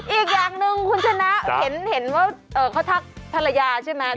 อีกอย่างหนึ่งคุณชนะเห็นว่าเขาทักภรรยาใช่ไหม